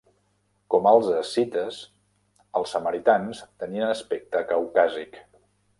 Com els escites, els samaritans tenien aspecte caucàsic.